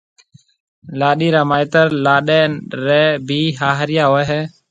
لاڏيِ را مائيتر لاڏيَ ريَ بي هاهريا هوئي هيَ۔